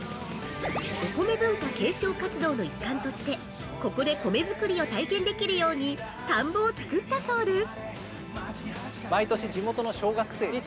◆お米文化継承活動の一環として、ここで米作りを体験できるように田んぼを作ったそうです◆